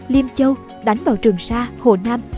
liêm châu đánh vào trường sa hồ nam